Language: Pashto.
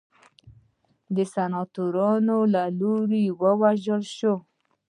د سناتورانو له لوري ووژل شو.